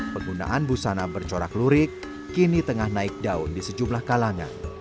penggunaan busana bercorak lurik kini tengah naik daun di sejumlah kalangan